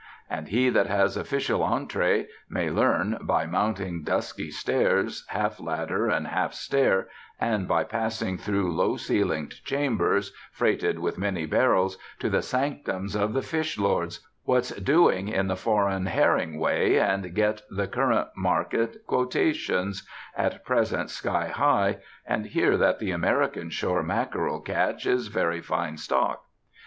And he that has official entrée may learn, by mounting dusky stairs, half ladder and half stair, and by passing through low ceilinged chambers freighted with many barrels, to the sanctums of the fish lords, what's doing in the foreign herring way, and get the current market quotations, at present sky high, and hear that the American shore mackerel catch is very fine stock.